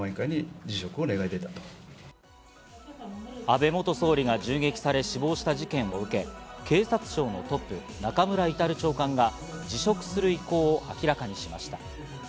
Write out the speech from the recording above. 安倍元総理が銃撃され、死亡した事件を受け、警察庁のトップ、中村格長官が辞職する意向を明らかにしました。